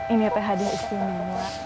ini teh hadiah istimewa